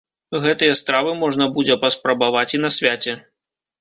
Гэтыя стравы можна будзе паспрабаваць і на свяце.